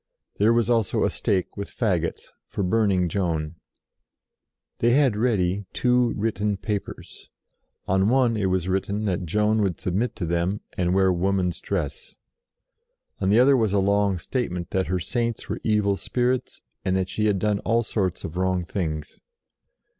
There was also a stake with faggots, for burning Joan. They had ready two written papers: on one it was written that Joan would submit to them, and wear woman's dress. On the other was a long statement that her Saints were evil spirits, and that she had done all sorts of wrong things.